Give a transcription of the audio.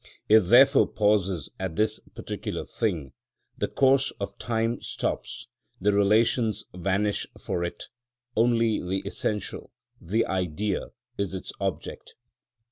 It therefore pauses at this particular thing; the course of time stops; the relations vanish for it; only the essential, the Idea, is its object.